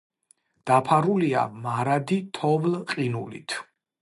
დაფარულია მარადი თოვლ-ყინულით.